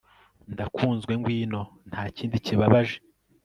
ndakunzwe, ngwino! ntakindi kibabaje